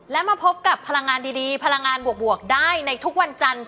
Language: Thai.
และมาพบกับพลังงานดีพลังงานบวกได้ในทุกวันจันทร์